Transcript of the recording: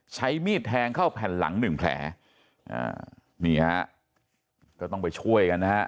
ใช้มีดแทงเข้าแผ่นหลังหนึ่งแผลอ่านี่ฮะก็ต้องไปช่วยกันนะฮะ